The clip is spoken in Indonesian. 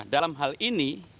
dalam hal ini